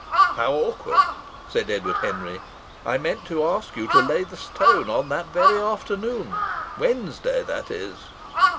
"How awkward!" said Edward Henry. "I meant to ask you to lay the stone on the very next afternoon Wednesday, that is!"